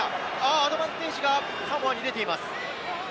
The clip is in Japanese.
アドバンテージがサモアに出ています。